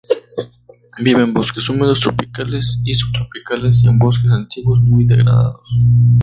Vive en bosques húmedos tropicales y subtropicales y en bosques antiguos muy degradados.